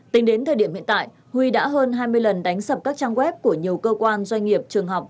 tính đến thời điểm hiện tại huy đã hơn hai mươi lần đánh sập các trang web của nhiều cơ quan doanh nghiệp trường học